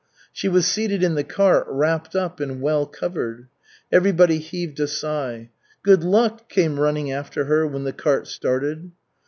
She was seated in the cart, wrapped up and well covered. Everybody heaved a sigh. "Good luck!" came running after her when the cart started.